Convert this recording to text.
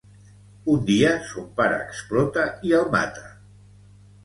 Un dia son pare explota i el mata.